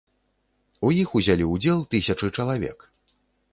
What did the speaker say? У іх узялі ўдзел тысячы чалавек.